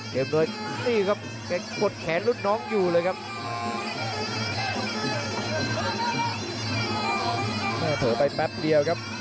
โอ้โหครับนี่ครับจังหวะ๒แบบนี้เลยครับ